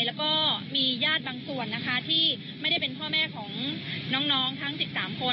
แล้วก็มีญาติบางส่วนนะคะที่ไม่ได้เป็นพ่อแม่ของน้องทั้ง๑๓คน